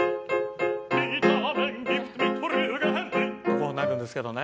こうなるんですけどね。